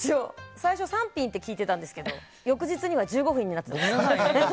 最初３品って聞いてたんですけど翌日には１５品になってました。